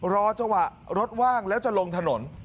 รอจังหวะรถว่างแล้วจะลงถนน